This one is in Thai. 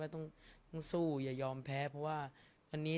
สงฆาตเจริญสงฆาตเจริญ